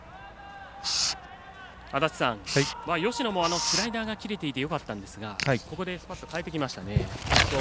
芳野もスライダーが切れていてよかったんですがここでスパッと代えてきましたね。